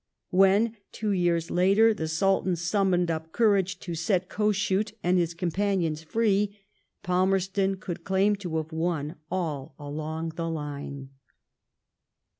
When, two years later, the Sultan summoned up courage to set Kossuth and hi& companions free, Palmerston could claim to have won all along the line.